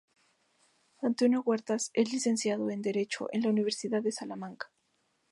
Antonio Huertas es licenciado en derecho en la Universidad de Salamanca.